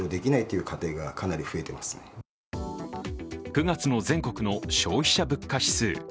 ９月の全国の消費者物価指数。